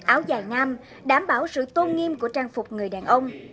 áo dài nam đảm bảo sự tôn nghiêm của trang phục người đàn ông